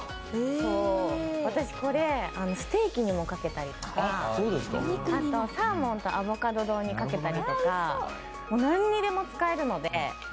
私、これステーキにもかけたりとか、あと、サーモンとアボカド丼にかけたりとか何にでも使えるので。